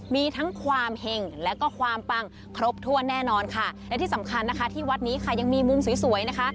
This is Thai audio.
มีทั้งความเห็งแล้วก็ความปังครบถ้วนแน่นอนค่ะและที่สำคัญนะคะที่วัดนี้ค่ะยังมีมุมสวยสวยนะคะ